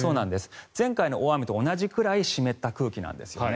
前回の大雨と同じぐらい湿った空気なんですよね。